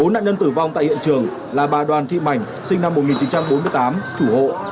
bốn nạn nhân tử vong tại hiện trường là bà đoàn thị mảnh sinh năm một nghìn chín trăm bốn mươi tám chủ hộ